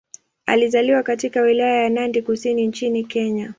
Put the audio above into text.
Alizaliwa katika Wilaya ya Nandi Kusini nchini Kenya.